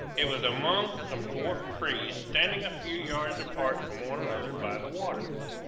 It was among some dwarf trees, standing a few yards apart from one another by the water.